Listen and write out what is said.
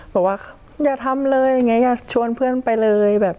บอกว่าอย่าทำเลยอย่างนี้อย่าชวนเพื่อนไปเลยแบบ